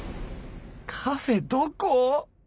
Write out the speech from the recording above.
カフェどこ？